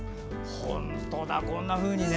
本当だ、こんなふうにね。